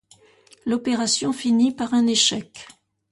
L'opération finit par un échec.